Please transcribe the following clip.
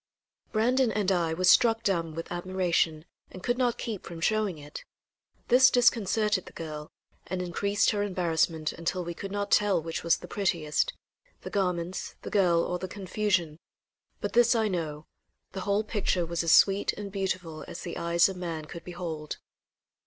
Brandon and I were struck dumb with admiration and could not keep from showing it. This disconcerted the girl, and increased her embarrassment until we could not tell which was the prettiest the garments, the girl or the confusion; but this I know, the whole picture was as sweet and beautiful as the eyes of man could behold.